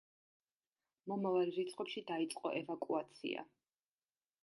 მომავალ რიცხვებში დაიწყო ევაკუაცია.